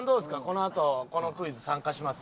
このあとこのクイズ参加します？